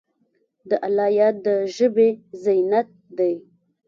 د الله یاد د ژبې زینت دی.